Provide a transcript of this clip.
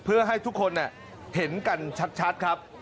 เพื่อให้ทุกคนเห็นกันชัดครับ